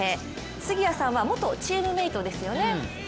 杉谷さんは元チームメイトですよね。